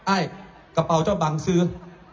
ไอ้กระเป๋าเจ้าบังซื้อ